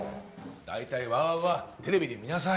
大体ＷＯＷＯＷはテレビで見なさい。